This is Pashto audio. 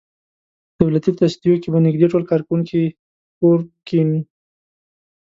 په دولتي تصدیو کې به نږدې ټول کارکوونکي کور کېني.